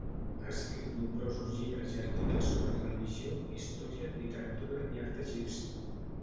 Ha escrit nombrosos llibres i articles sobre religió, història, literatura i art egipci.